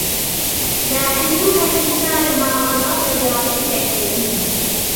يَا أَيُّهَا الْإِنْسَانُ مَا غَرَّكَ بِرَبِّكَ الْكَرِيمِ